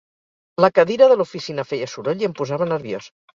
La cadira de l'oficina feia soroll i em posava nerviós